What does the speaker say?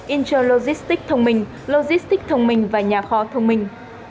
inter logistics thông minh logistics thông minh và nhà kho thông minh